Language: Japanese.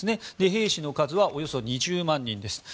兵士の数はおよそ２０万人です。